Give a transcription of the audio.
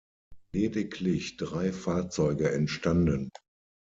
Lediglich drei Fahrzeuge entstanden.